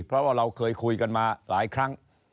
เพราะว่าเราเคยคุยกันมาหลายครั้ง